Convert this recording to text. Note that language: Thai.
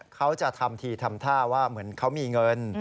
เขาจะทำทีทำท่าว่าเหมือนเขามีเงิน